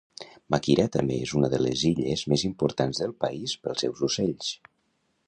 Makira també és una de les illes més importants del país pels seus ocells.